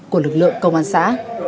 của lực lượng công an xã